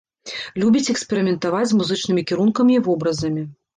Любіць эксперыментаваць з музычнымі кірункамі і вобразамі.